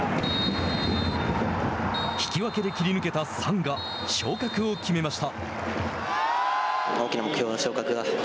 引き分けで切り抜けたサンガ昇格を決めました。